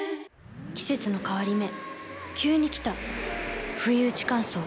季節の変わり目急に来たふいうち乾燥。